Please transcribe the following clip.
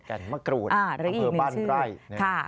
แก่นมะกรูดอำเภอบ้านไร้